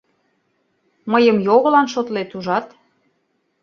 Мыйым йогылан шотлет, ужат?!